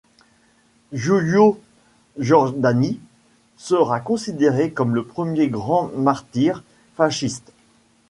Giulio Giordani sera considéré comme le premier grand martyr fasciste.